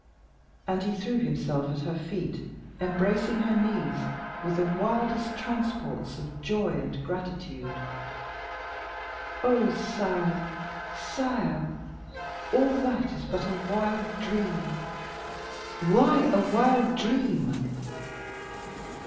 And he threw himself at her feet, embracing her knees with the wildest transports of joy and gratitude. "Oh! sire, sire! all that is but a wild dream." "Why, a wild dream?"